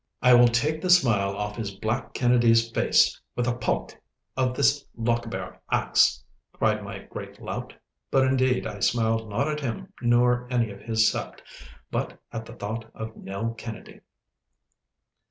'I will take the smile off his black Kennedy's face with a paik of this Lochaber axe!' cried my great lout. But indeed I smiled not at him nor any of his sept, but at the thought of Nell Kennedy.